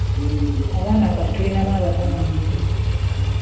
Abaana kati tulinamu n'abatabangufu.